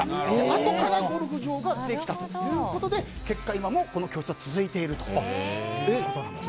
あとからゴルフ場ができたということで結果、今もこの教室は続いているということです。